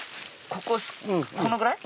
こここのぐらい？